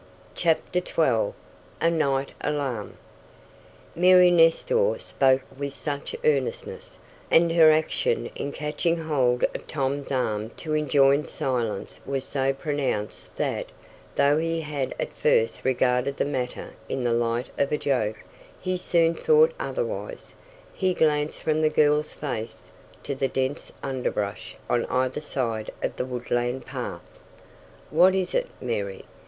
CHAPTER XII A NIGHT ALARM Mary Nestor spoke with such earnestness, and her action in catching hold of Tom's arm to enjoin silence was so pronounced that, though he had at first regarded the matter in the light of a joke, he soon thought otherwise. He glanced from the girl's face to the dense underbrush on either side of the woodland path. "What is it, Mary?"